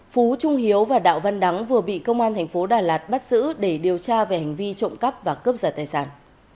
phú trung hiếu và đạo văn đắng vừa bị công an thành phố đà lạt bắt giữ để điều tra về hành vi trộm cắp và cướp giật tài sản